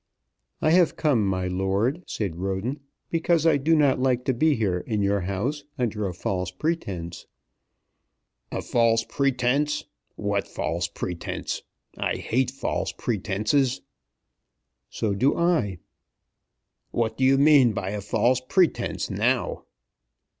"I have come, my lord," said Roden, "because I do not like to be here in your house under a false pretence." "A false pretence? What false pretence? I hate false pretences." "So do I." "What do you mean by a false pretence now?"